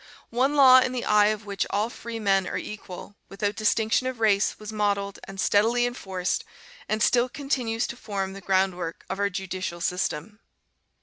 One law, in the eye of which all freemen are equal without distinction of race, was modelled, and steadily enforced, and still continues to form the groundwork of our judicial system.